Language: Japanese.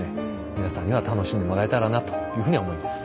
皆さんには楽しんでもらえたらなというふうに思います。